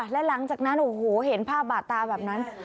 และหลังจากนั้นโอ้โหเห็นภาพบาดตาแบบนั้น